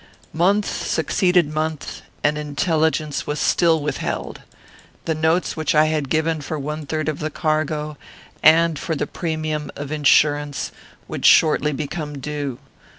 "Month succeeded month, and intelligence was still withheld. The notes which I had given for one third of the cargo, and for the premium of insurance, would shortly become due.